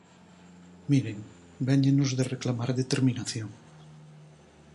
Miren, véñennos de reclamar determinación.